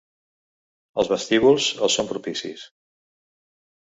Els vestíbuls els són propicis.